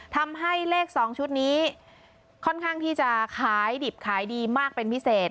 ทำให้เลข๒ชุดนี้ค่อนข้างที่จะขายดิบขายดีมากเป็นพิเศษ